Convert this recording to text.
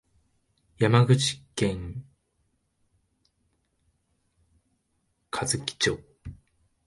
山口県和木町